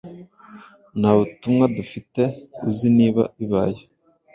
Nta butumwa dufite Uzi niba bibaye